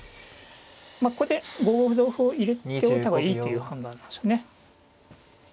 まあここで５五同歩を入れておいた方がいいという判断なんでしょうね。